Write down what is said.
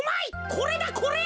これだこれ。